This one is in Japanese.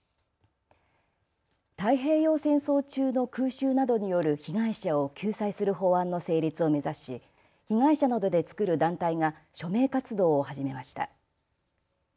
太平洋戦争中の空襲などによる被害者を救済する法案の成立を目指し被害者などで作る団体が署名活動を始めました。